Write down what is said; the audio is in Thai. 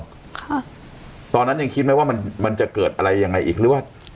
ค่ะตอนนั้นยังคิดไหมว่ามันมันจะเกิดอะไรยังไงอีกหรือว่า